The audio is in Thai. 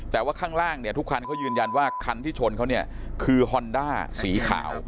แต่ว่าข้างล่างเนี่ยทุกคันเขายืนยันว่าคันที่ชนเขาเนี่ยคือฮอนด้าสีขาว